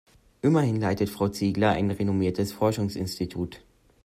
Immerhin leitet Frau Ziegler ein renommiertes Forschungsinstitut.